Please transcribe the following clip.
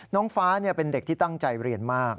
น้องฟ้าเป็นเด็กที่ตั้งใจเรียนมาก